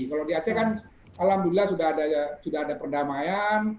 kalau di aceh kan alhamdulillah sudah ada perdamaian